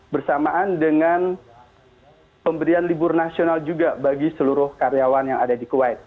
bersamaan dengan pemberian libur nasional juga bagi seluruh karyawan yang ada di kuwait